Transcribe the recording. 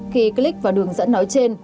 khi click vào đường dẫn nói trên